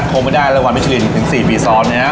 ขวมไม่ได้ระวังวิชาลินถึง๔ปีซ้อนนะฮะ